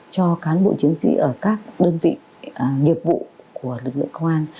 cho cán bộ chiến sĩ ở các đơn vị nghiệp vụ của lực lượng công an